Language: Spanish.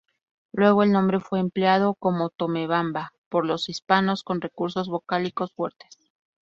Luego el nombre fue empleado como ""Tomebamba"" por los hispanos con recursos vocálicos fuertes.